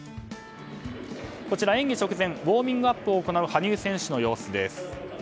こちら、演技直前ウォーミングアップを行う羽生選手の様子です。